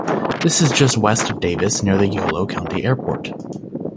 This is just west of Davis near the Yolo County Airport.